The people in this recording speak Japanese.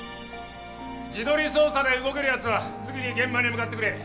地取り捜査で動けるやつはすぐに現場に向かってくれ。